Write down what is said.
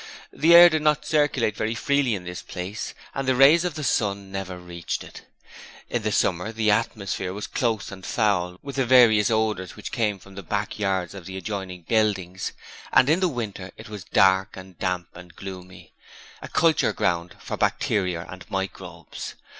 The air did not circulate very freely in this place, and the rays of the sun never reached it. In the summer the atmosphere was close and foul with the various odours which came from the back yards of the adjoining buildings, and in the winter it was dark and damp and gloomy, a culture ground for bacteria and microbes.